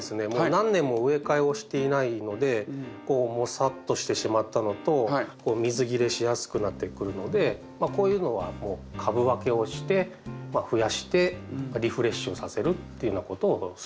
何年も植え替えをしていないのでもさっとしてしまったのと水切れしやすくなってくるのでこういうのは株分けをして増やしてリフレッシュさせるっていうようなことをするんですね。